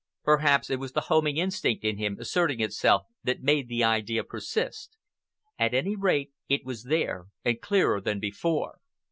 Perhaps it was the homing instinct in him asserting itself that made the idea persist. At any rate it was there, and clearer than before.